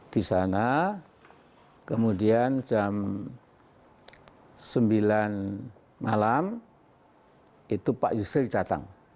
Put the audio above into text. di sana kemudian jam sembilan malam itu pak yusril datang